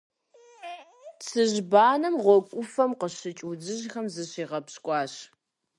Цыжьбанэм гъуэгу Ӏуфэм къыщыкӀ удзыжьхэм зыщигъэпщкӀуащ.